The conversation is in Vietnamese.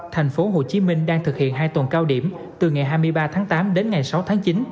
thành phố hồ chí minh đang thực hiện hai tuần cao điểm từ ngày hai mươi ba tháng tám đến ngày sáu tháng chín